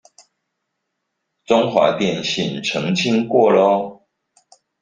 中華電信澄清過囉